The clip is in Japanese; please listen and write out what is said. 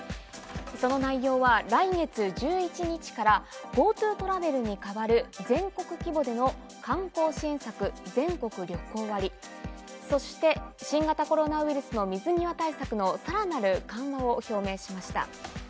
その内容は来月１１日からＧｏＴｏトラベルに代わる全国規模での観光支援策、全国旅行割。そして新型コロナウイルスの水際対策のさらなる緩和を表明しました。